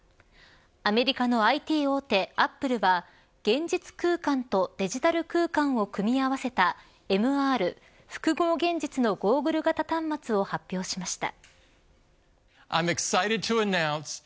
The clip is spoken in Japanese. アメリカのＩＴ大手アップルは現実空間とデジタル空間を組み合わせたＭＲ複合現実のゴーグル型端末を発表しました。